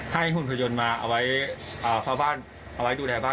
หุ่นพยนต์มาเอาไว้เข้าบ้านเอาไว้ดูแลบ้าน